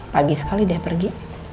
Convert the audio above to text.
pagi sekali deh pergi